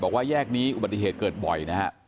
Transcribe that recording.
บอกว่าแยกนี้อุบัติเหตุเกิดบ่อยนะครับ